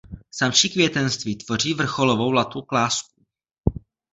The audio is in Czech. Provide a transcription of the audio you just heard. Samčí květenství tvoří vrcholovou latu klásků.